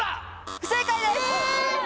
不正解です